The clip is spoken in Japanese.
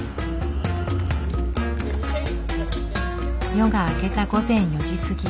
夜が明けた午前４時過ぎ。